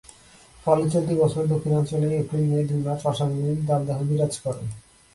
ফলে চলতি বছর দক্ষিণাঞ্চলে এপ্রিল-মে দুই মাস অস্বাভাবিক দাবদাহ বিরাজ করে।